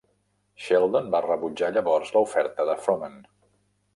Sheldon va rebutjar llavors la oferta de Frohman.